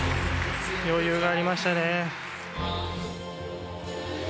余裕がありましたね。